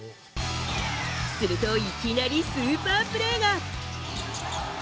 すると、いきなりスーパープレーが！